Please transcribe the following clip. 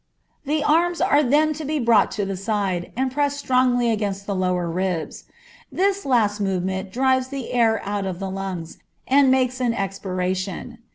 The arms are then to be brought to the side, and pressed strongly against the lower ribs. This last movement drives the air out of the lungs, and makes an expiration.